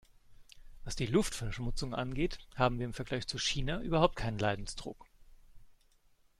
Was die Luftverschmutzung angeht, haben wir im Vergleich zu China überhaupt keinen Leidensdruck.